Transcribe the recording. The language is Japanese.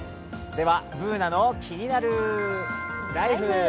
では、「ＢｏｏｎａのキニナルＬＩＦＥ」。